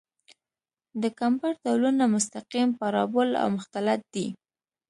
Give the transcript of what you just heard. د کمبر ډولونه مستقیم، پارابول او مختلط دي